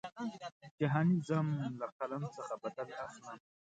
جهاني ځم له قلم څخه بدل اخلم.